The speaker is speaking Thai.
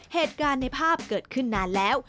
เหตุการณ์ในภาพเกิดขึ้นนานแล้ว